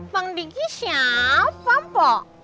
bang diki siapa mbak